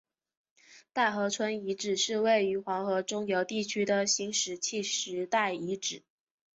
大河村遗址是位于黄河中游地区的新石器时代遗址。